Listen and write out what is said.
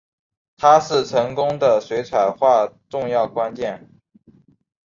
它是成功的水彩画重要关键。